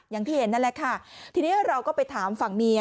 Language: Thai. อย่างที่เห็นนั่นแหละค่ะทีนี้เราก็ไปถามฝั่งเมีย